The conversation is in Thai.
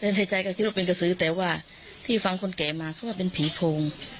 ในใจก็คิดว่าเป็นกระสือแต่ว่าที่ฟังคนแก่มาเขาว่าเป็นผีโพง